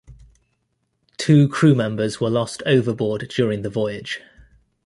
Two crew members were lost overboard during the voyage.